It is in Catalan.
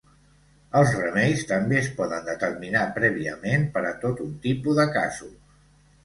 Els remeis també es poden determinar prèviament per a tot un tipus de casos.